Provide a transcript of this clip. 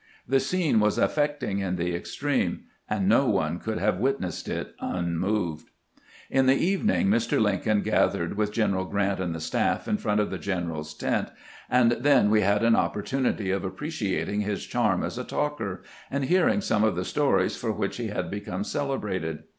The scene was affecting in the extreme, and no one could have witnessed it unmoved. In the evening Mr. Lincoln gathered with General Grant and the staff in front of the general's tent, and then we had an opportunity of appreciating his charm as a talker, and hearing some of the stories for which he had become celebrated.